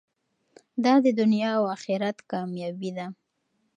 دا د دنیا او اخرت کامیابي ده.